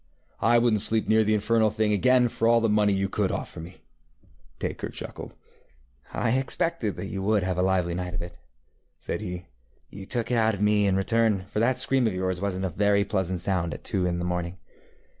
ŌĆØ ŌĆ£I wouldnŌĆÖt sleep near the infernal thing again for all the money you could offer me. ŌĆØ Dacre chuckled. ŌĆ£I expected that you would have a lively night of it, ŌĆØ said he. ŌĆ£You took it out of me in return, for that scream of yours wasnŌĆÖt a very pleasant sound at two in the morning.